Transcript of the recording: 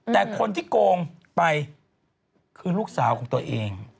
แต่คนที่โกงไปคือลูกสาวของตัวเอง